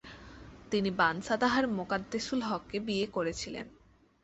তিনি বানসাদাহার মোকাদ্দেসুল হককে বিয়ে করেছিলেন।